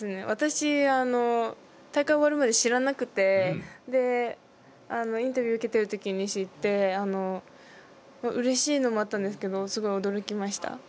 私、大会終わるまで知らなくてインタビュー受けてるときに知ってうれしいのもあったんですけどすごい驚きました。